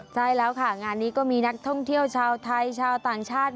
ใช่แล้วค่ะงานนี้ก็มีนักท่องเที่ยวชาวไทยชาวต่างชาติ